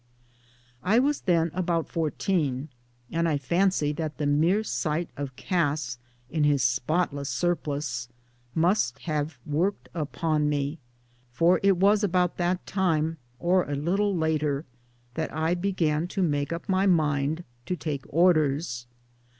I was then about fourteen, and I fancy that the mere sight of Cass m his spotless surplice must have worked upon me, for it was about that time or a little later that I began to make up my mind to take Orders.